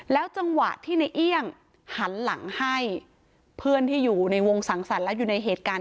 จังหวะที่ในเอี่ยงหันหลังให้เพื่อนที่อยู่ในวงสังสรรค์แล้วอยู่ในเหตุการณ์